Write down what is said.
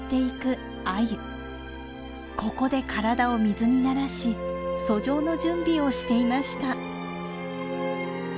ここで体を水に慣らし遡上の準備をしていました。